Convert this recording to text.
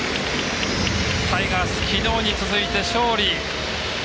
タイガース、きのうに続いて勝利。